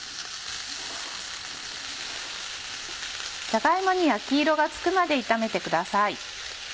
じゃが芋に焼き色がつくまで炒めてください。